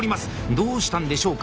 どうしたんでしょうか？